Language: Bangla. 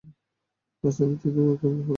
রাজনীতিতেও একই ব্যাপার ঘটে!